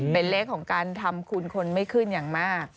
เป็นเลขของการทำคุณคนไม่ขึ้นอย่างมาก